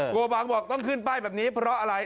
โกบังบอกต้องขึ้นป้ายแบบนี้เพราะอะไร